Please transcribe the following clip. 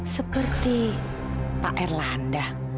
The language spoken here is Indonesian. seperti pak erlanda